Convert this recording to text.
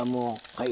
はい。